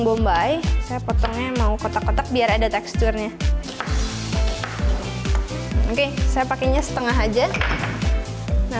bombay saya potongnya mau kotak kotak biar ada teksturnya oke saya pakainya setengah aja nah